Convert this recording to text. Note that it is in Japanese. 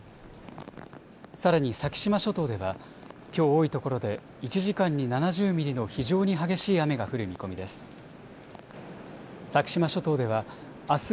さらに先島諸島ではきょう多いところで１時間に７０ミリの非常に激しい雨が降る見込みです。